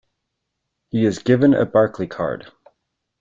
He is given a Barclaycard.